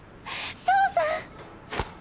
翔さん！